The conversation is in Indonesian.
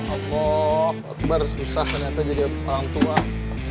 alamak baru susah ternyata jadi pelangtuang